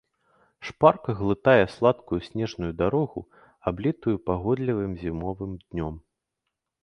Шпарка глытае гладкую снежную дарогу, аблітую пагодлівым зімовым днём.